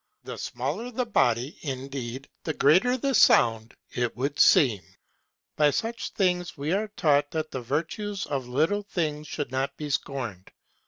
The smaller the body, indeed, the greater the sound, it would seem. By such things we are taught that the virtues of 44O Readings in European History little things should not be scorned.